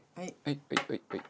はい。